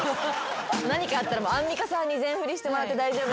何かあったらアンミカさんに全振りしてもらって大丈夫なんで。